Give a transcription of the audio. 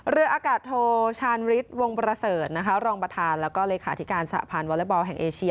เรืออากาศโทชานฤิษฐ์วงประเสริฐรองประธานและเลขาธิการสหพาลวอลเล็บอลแห่งเอเชีย